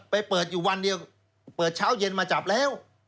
ไปเปิดอยู่วันเดียวเปิดเช้าเย็นมาจับแล้ว